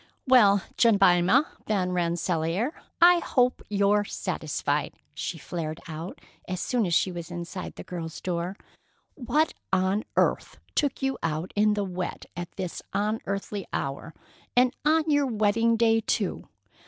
"Well, Jemima Van Rensselaer, I hope you're satisfied!" she flared out, as soon as she was inside the girl's door. "What on earth took you out in the wet at this unearthly hour? And on your wedding day, too!